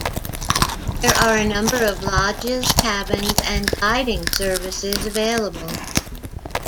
There are a number of lodges, cabins, and guiding services available.